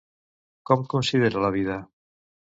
Com considera la vida?